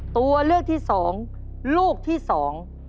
ตัวเลือกที่สองลูกที่สอง